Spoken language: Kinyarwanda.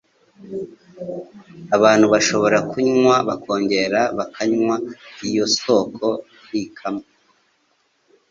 Abantu bashobora kunywa, bakongera bakanywa, iyo soko ntikama.